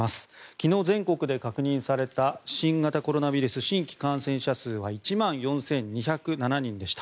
昨日、全国で確認された新型コロナウイルス新規感染者数は１万４２０７人でした。